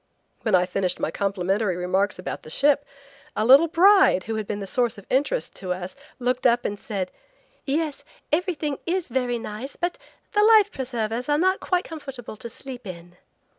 When I finished my complimentary remarks about the ship, a little bride who had been a source of interest to us looked up and said: "Yes, everything is very nice; but the life preservers are not quite comfortable to sleep in."